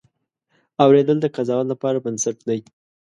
اورېدل د قضاوت لپاره بنسټ دی.